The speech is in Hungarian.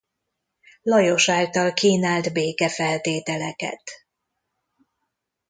Lajos által kínált békefeltételeket.